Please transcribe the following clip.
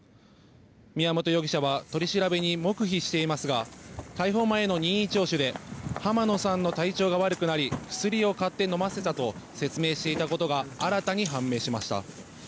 宮本容疑者は取り調べに黙秘していますが逮捕前の任意聴取で浜野さんの体調が悪くなり薬を買って飲ませたと説明していたことが新たに判明しました。